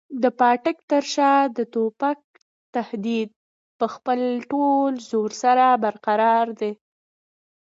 د پاټک تر شا د توپک تهدید په خپل ټول زور سره برقراره دی.